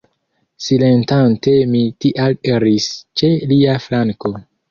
Silentante mi tial iris ĉe lia flanko.